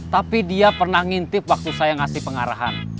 tapi dia pernah ngintip waktu saya ngasih pengarahan